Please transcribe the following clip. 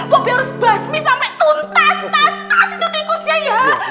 mobi harus basmi sampai tuntas tastas itu tikusnya ya